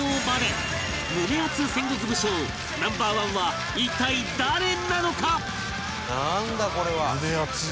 胸アツ戦国武将ナンバー１は一体誰なのか？